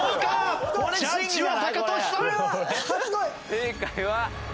正解は。